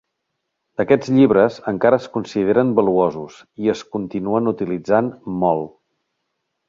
Aquests llibres encara es consideren valuosos i es continuen utilitzant molt.